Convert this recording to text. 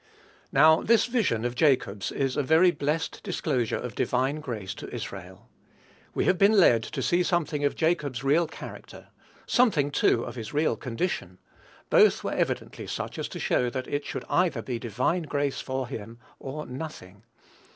Now, this vision of Jacob's is a very blessed disclosure of divine grace to Israel. We have been led to see something of Jacob's real character, something, too, of his real condition; both were evidently such as to show that it should either be divine grace for him, or nothing.